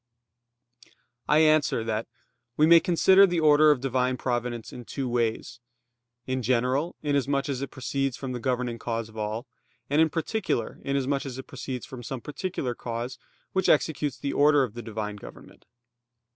I answer that, We may consider the order of Divine providence in two ways: in general, inasmuch as it proceeds from the governing cause of all; and in particular, inasmuch as it proceeds from some particular cause which executes the order of the Divine government.